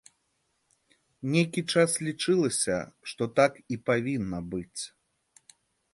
Нейкі час лічылася, што так і павінна быць.